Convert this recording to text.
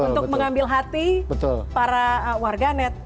untuk mengambil hati para warganet